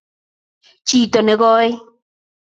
Jito nekoi